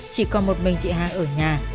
chỉ còn một mình chị hà ở nhà